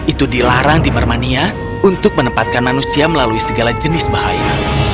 itu dilarang di mermania untuk menempatkan manusia melalui segala jenis bahaya